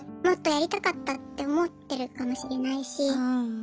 もっとやりたかったって思ってるかもしれないし。